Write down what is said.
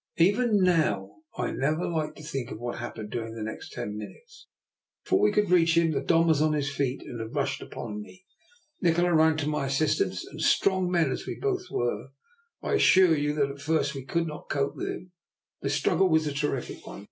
Even now, I never like to think of what happened during the next ten minutes. Before we could reach him, the Don was on his feet and had rushed upon me. Nikola ran to my assistance, and strong men as we both were, I assure you that at first we could not cope with him. The struggle was a terrific one.